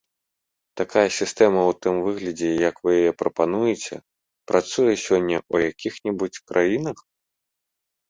Такая сістэма ў тым выглядзе, як вы яе прапануеце, працуе сёння ў якіх-небудзь краінах?